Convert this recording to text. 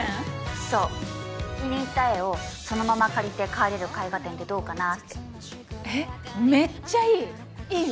そう気に入った絵をそのまま借りて帰れる絵画展ってどうかなってえっめっちゃいいいいよ